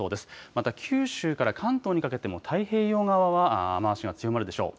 また九州から関東にかけても太平洋側は雨足が強まるでしょう。